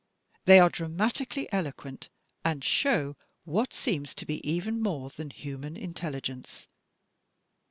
They are dramatically eloquent and show what seems to be even more than human intelligence.